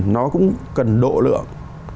nó cũng cần độ lượng